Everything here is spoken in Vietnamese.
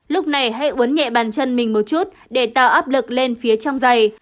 lúc này hãy uốn nhẹ bàn chân mình một chút để tạo áp lực lên phía trong dày